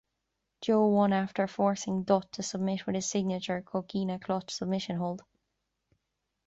Joe won after forcing Dutt to submit with his signature Coquina Clutch submission hold.